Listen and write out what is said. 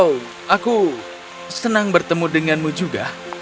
oh aku senang bertemu denganmu juga